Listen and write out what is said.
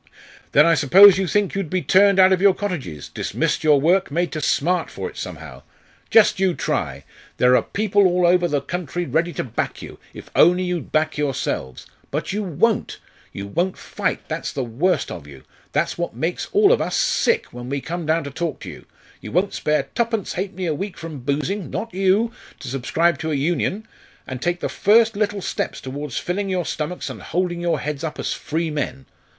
"Then I suppose you think you'd be turned out of your cottages, dismissed your work, made to smart for it somehow. Just you try! There are people all over the country ready to back you, if you'd only back yourselves. But you won't. You won't fight that's the worst of you; that's what makes all of us sick when we come down to talk to you. You won't spare twopence halfpenny a week from boozing not you! to subscribe to a union, and take the first little step towards filling your stomachs and holding your heads up as free men.